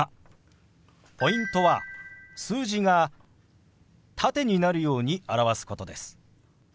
ポイントは数字が縦になるように表すことです。